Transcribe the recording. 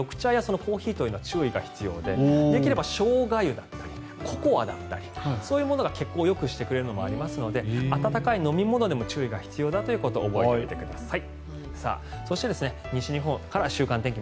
緑茶、コーヒーは注意が必要でできればショウガ湯とかココアだったりそういうものが血行をよくしてくれるものがありますので温かい飲み物がいいと覚えておいてください。